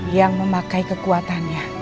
yang memakai kekuatannya